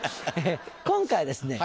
今回はですね